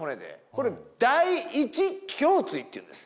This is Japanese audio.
これ第一胸椎っていうんです。